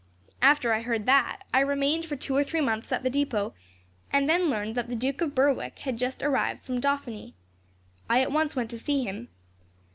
"After I heard that, I remained for two or three months at the depot, and then learned that the Duke of Berwick had just arrived from Dauphiny. I at once went to see him.